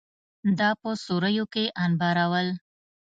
دا په سوریو کې انبارول.